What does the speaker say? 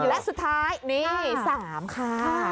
และสุดท้ายนี่๓ค่ะ